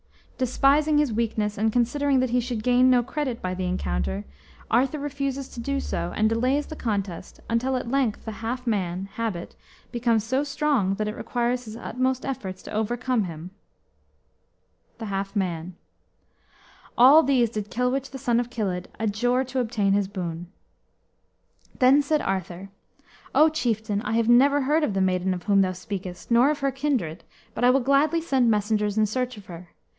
Despising his weakness, and considering that he should gain no credit by the encounter, Arthur refuses to do so, and delays the contest until at length the half man (Habit) becomes so strong that it requires his utmost efforts to overcome him.] the half man." All these did Kilwich, the son of Kilydd, adjure to obtain his boon. Then said Arthur, "O chieftain, I have never heard of the maiden of whom thou speakest, nor of her kindred, but I will gladly send messengers in search of her.